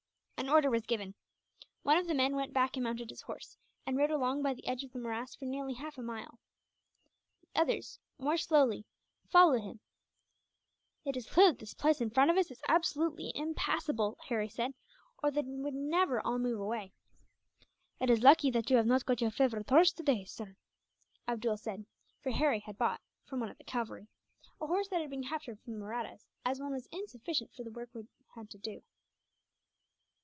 An order was given. One of the men went back and mounted his horse, and rode along by the edge of the morass for nearly half a mile. The others, more slowly, followed him. "It is clear that this place in front of us is absolutely impassable," Harry said, "or they would never all move away." "It is lucky that you have not got your favourite horse today, sir," Abdool said for Harry had bought, from one of the cavalry, a horse that had been captured from the Mahrattas, as one was insufficient for the work he had to do.